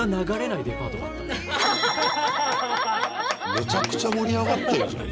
めちゃくちゃ盛り上がってるじゃん。